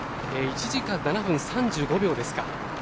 １時間７分３５秒ですか。